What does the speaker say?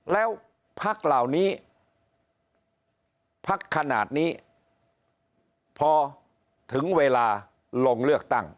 แล้วพักเหล่านี้พักขนาดนี้พอถึงเวลาลงเลือกตั้ง